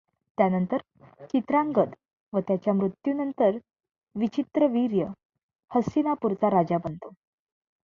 त्यानंतर चित्रांगद व त्याच्या मृत्यूनंतर विचित्रवीर्य हस्तिनापूरचा राजा बनतो.